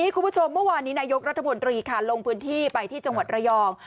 คุณผู้ชมเมื่อวานนี้นายกรัฐมนตรีค่ะลงพื้นที่ไปที่จังหวัดระยอง